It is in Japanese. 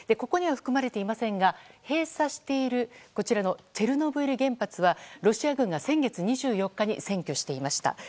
ここには含まれていませんが閉鎖しているこちらのチェルノブイリ原発はロシア軍が先月２４日に占拠していました。